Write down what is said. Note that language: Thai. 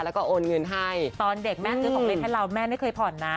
แล้วก็โอนเงินให้ตอนเด็กแม่ซื้อของเล่นให้เราแม่ไม่เคยผ่อนนะ